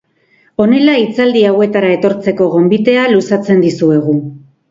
Honela hitzaldi hauetara etortzeko gonbitea luzatzen dizuegu.